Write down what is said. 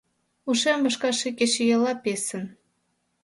Ушем вашка ший кечыйолла писын.